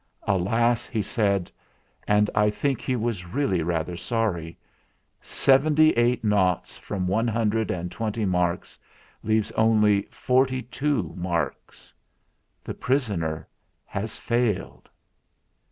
"Alas!" he said; and I think he was really rather sorry. "Seventy eight noughts from one hundred and twenty marks leaves only forty two marks. The prisoner has failed!"